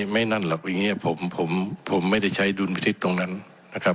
นั่นหรอกอย่างนี้ผมไม่ได้ใช้ดุลพิทิศตรงนั้นนะครับ